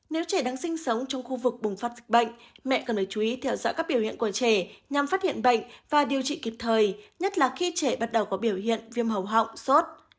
nếu trẻ đang sinh sống trong khu vực bùng phát dịch bệnh mẹ cần phải chú ý theo dõi các biểu hiện của trẻ nhằm phát hiện bệnh và điều trị kịp thời nhất là khi trẻ bắt đầu có biểu hiện viêm hầu họng sốt